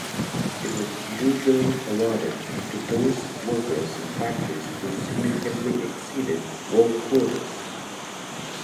It was usually awarded to those workers in factories who significantly exceeded work quotas.